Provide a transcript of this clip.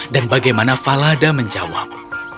dan bagaimana falada menjawab